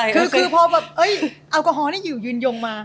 คือพอแบบแอลกอฮอลนี่อยู่ยืนยงมา